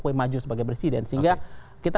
itu juga sejujur sebagai presiden sehingga kita